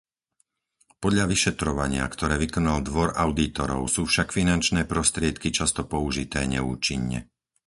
Podľa vyšetrovania, ktoré vykonal Dvor audítorov, sú však finančné prostriedky často použité neúčinne.